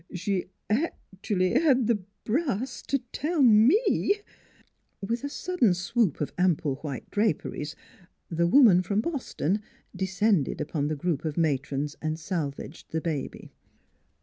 She actooally had the brass t' tell mf " tfltC With a sudden swoop of ample white draperies the woman from Boston descended upon the group of matrons and salvaged the baby.